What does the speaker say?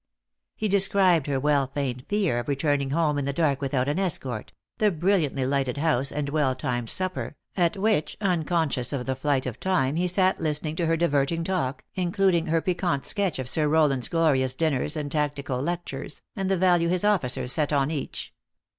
He de scribed her well feigned fear of returning home in the dark without an escort, the brilliantly lighted house and well timed supper, at which, unconscious of the flight of time, he sat listening to her diverting talk, including her piquant sketch of Sir Rowland s glori ous dinners and tactical lectures, and the value his officers set on each.